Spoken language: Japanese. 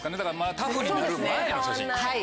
タフになる前の写真。